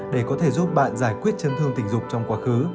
để có thể giúp bạn giải quyết chấn thương tình dục trong quá khứ